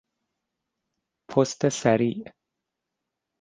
پست سریع